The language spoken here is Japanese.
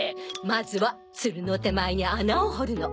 まずはツルの手前に穴を掘るの。